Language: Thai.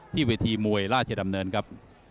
เวทีมวยราชดำเนินครับ